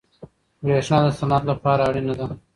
برښنا د صنعت لپاره اړینه ده.